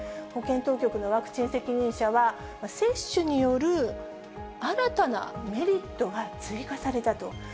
保健当局のワクチン責任者は、接種による、新たなメリットが追加されたと。